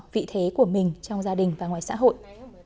vị thế của mình trong gia đình và ngoài xã hội